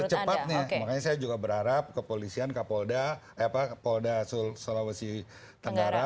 secepatnya makanya saya juga berharap kepolisian ke polda sulawesi tenggara